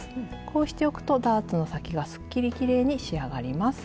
こうしておくとダーツの先がすっきりきれいに仕上がります。